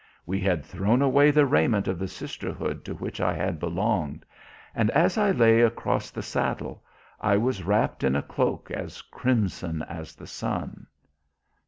We had thrown away the raiment of the sisterhood to which I had belonged, and as I lay across the saddle I was wrapped in a cloak as crimson as the sun."